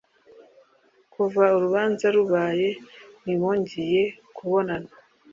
kuva urubanza rubaye ntibongeye kubonana